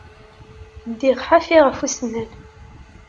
Ddiɣ ḥafi ɣef usennan.